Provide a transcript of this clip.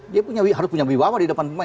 dia harus punya wibawa di depan pemain